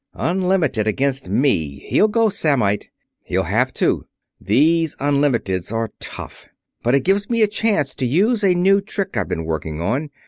"Unlimited, against me, he'll go Samnite. He'll have to. These unlimiteds are tough, but it gives me a chance to use a new trick I've been working on.